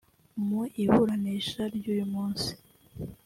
Mu iburanisha ry’uyu munsi